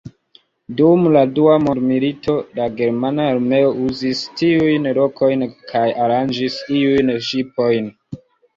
Dum la dua mondmilito, la germana armeo uzis tiujn lokojn kaj aranĝis iujn ŝipojn.